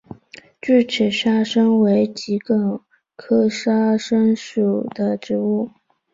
锯齿沙参为桔梗科沙参属的植物。